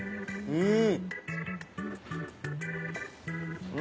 うん！